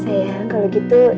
sayang kalau gitu